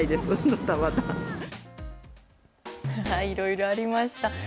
いろいろありました。